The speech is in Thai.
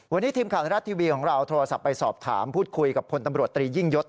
วันนี้ทีมข่าวไทยรัฐทีวีของเราโทรศัพท์ไปสอบถามพูดคุยกับพลตำรวจตรียิ่งยศ